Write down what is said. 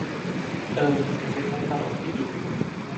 เออ มันเป็นมุกตลกที่ดี